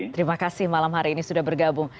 terima kasih malam hari ini sudah bergabung